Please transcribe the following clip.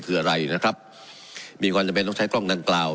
คืออะไรนะครับมีความจำเป็นต้องใช้กล้องดังกล่าว